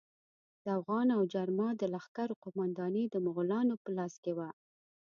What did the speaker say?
د اوغان او جرما د لښکرو قومانداني د مغولانو په لاس کې وه.